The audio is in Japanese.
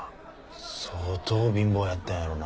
相当貧乏やったんやろな。